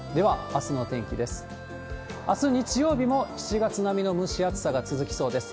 あす日曜日も、７月並みの蒸し暑さが続きそうです。